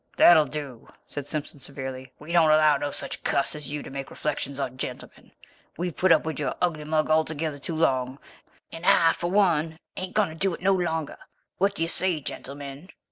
"That'll do," said Simpson severely. "We don't allow no such cuss as you to make reflections on gentlemen. We've put up with your ugly mug altogether too long, and I for one ain't going to do it no longer. What do you say, gentlemen?"